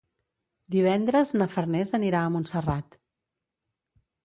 Divendres na Farners anirà a Montserrat.